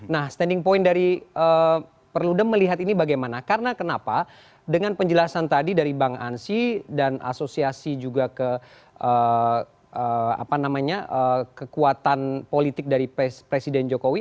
nah standing point dari perludem melihat ini bagaimana karena kenapa dengan penjelasan tadi dari bang ansi dan asosiasi juga ke kekuatan politik dari presiden jokowi